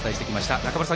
中村さん